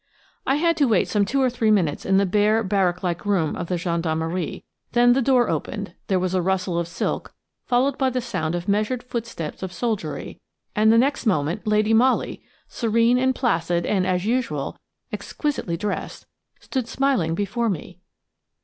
I had to wait some two or three minutes in the bare, barrack like room of the gendarmerie; then the door opened, there was a rustle of silk, followed by the sound of measured footsteps of soldiery, and the next moment Lady Molly, serene and placid and, as usual, exquisitely dressed, stood smiling before me.